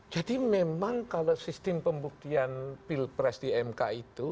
jadi memang kalau sistem pembuktian pilpres di mk itu